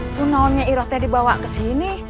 itu naonnya irotnya dibawa kesini